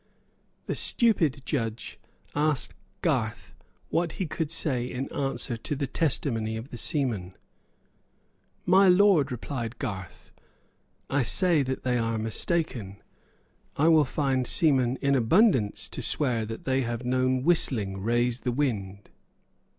The stupid judge asked Garth what he could say in answer to the testimony of the seamen. "My Lord," replied Garth, "I say that they are mistaken. I will find seamen in abundance to swear that they have known whistling raise the wind."